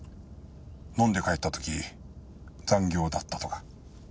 飲んで帰った時残業だったとか。